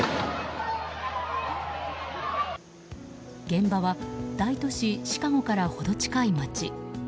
現場は大都市シカゴからほど近い街。